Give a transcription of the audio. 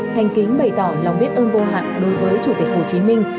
thành kính bày tỏ lòng biết ơn vô hạn đối với chủ tịch hồ chí minh